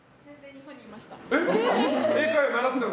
日本にいました。